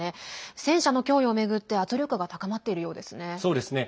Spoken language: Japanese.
戦車の供与を巡って圧力が高まっているようですね。